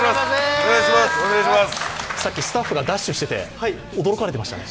さっきスタッフがダッシュしてて驚かれてましたね。